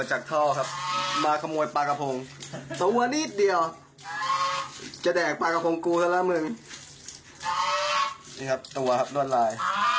นี่ครับตัวครับรวดลาย